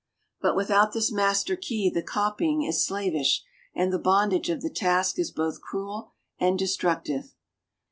But without this master key the copying is slavish, and the bondage of the task is both cruel and destructive.